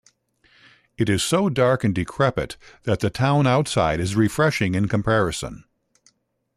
It is so dark and decrepit that the town outside is refreshing in comparison.